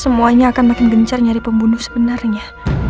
semuanya akan makin gencar nyari pembunuh sebenarnya